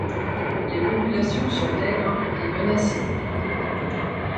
Les populations sont maigres et menacées.